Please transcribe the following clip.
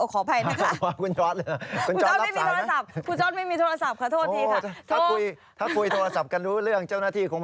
คุณไม้เจ้าของ